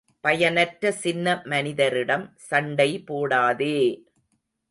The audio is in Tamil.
பயனற்ற சின்ன மனிதரிடம் சண்டை போடாதே!